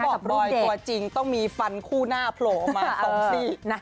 ท่านบอกบอยตัวจริงต้องมีฟันคู่หน้าโผล่อมา๒๔